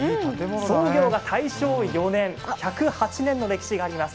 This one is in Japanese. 創業が大正４年、１０８年の歴史があります。